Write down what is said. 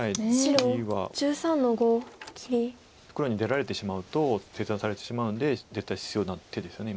切りは黒に出られてしまうと清算されてしまうので絶対必要な手ですよね